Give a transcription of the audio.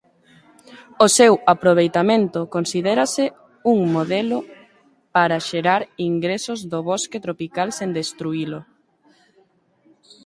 O seu aproveitamento considérase un modelo para xerar ingresos do bosque tropical sen destruílo.